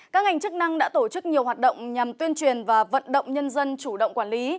các ngành chức năng đã tổ chức nhiều hoạt động nhằm tuyên truyền và vận động nhân dân chủ động quản lý